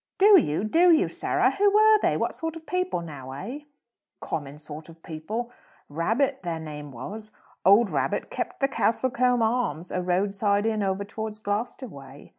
"Do you? Do you, Sarah? Who were they? What sort of people, now, eh?" "Common sort of people; Rabbitt, their name was. Old Rabbitt kept the Castlecombe Arms, a roadside inn over towards Gloucester way.